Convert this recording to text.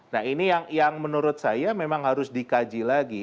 nah ini yang menurut saya memang harus dikaji lagi